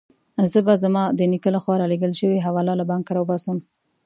زه به زما د نیکه له خوا رالېږل شوې حواله له بانکه راوباسم.